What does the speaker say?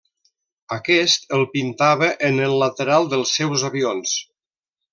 Aquest el pintava en el lateral dels seus avions.